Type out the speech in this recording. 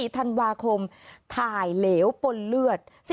๔ธันวาคมถ่ายเหลวปนเลือด